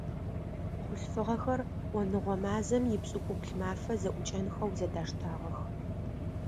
Хъулъфыгъэхэр Ӏоныгъо мазэм ипшӏыкӏубл мафэ зэӏукӏэнхэу зэдаштагъэх.